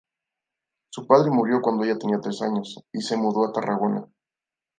Su padre murió cuando ella tenía tres años y se mudó a Tarragona.